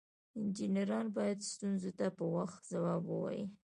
انجینران باید ستونزو ته په وخت ځواب ووایي.